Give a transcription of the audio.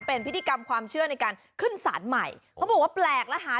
เป็นพิธีกรรมความเชื่อในการขึ้นสารใหม่เขาบอกว่าแปลกและหา